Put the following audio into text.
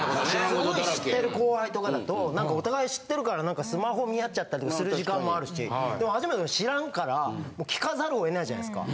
すごい知ってる後輩とかだとお互い知ってるからスマホ見合っちゃったりする時間もあるしでも初めての人知らんから聞かざるを得ないじゃないですか。